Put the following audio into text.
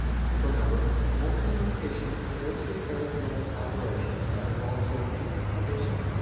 Remember, multiplication is a basic arithmetic operation that involves repeated addition.